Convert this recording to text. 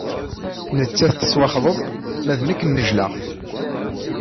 Nettat tettwaxḍeb ma d nek nejlaɣ.